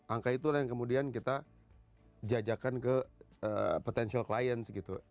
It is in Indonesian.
angka itulah yang kemudian kita jajakan ke potential clience gitu